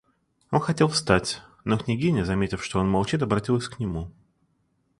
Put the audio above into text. Он хотел встать, но княгиня, заметив, что он молчит, обратилась к нему.